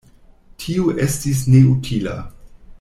Tio estis neutila.